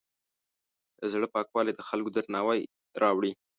د زړۀ پاکوالی د خلکو درناوی راوړي.